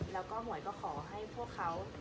แล้วก็หวยก็ขอให้พวกเขา